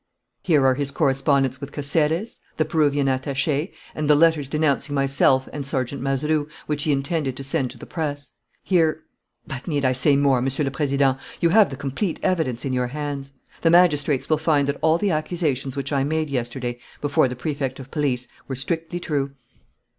Here are his correspondence with Caceres, the Peruvian attaché, and the letters denouncing myself and Sergeant Mazeroux, which he intended to send to the press. Here "But need I say more, Monsieur le Président? You have the complete evidence in your hands. The magistrates will find that all the accusations which I made yesterday, before the Prefect of Police, were strictly true."